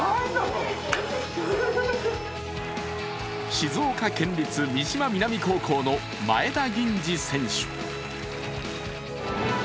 静岡県立三島南高校の前田銀治選手。